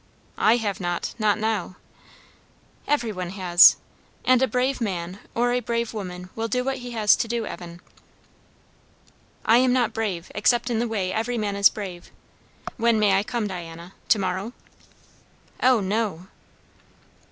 "I have not. Not now." "Every one has. And a brave man, or a brave woman, will do what he has to do, Evan." "I am not brave, except in the way every man is brave. When may I come, Diana? To morrow?" "O no!"